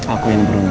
aku yang beruntung